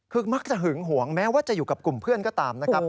คือมักจะหึงหวงแม้ว่าจะอยู่กับกลุ่มเพื่อนก็ตามนะครับ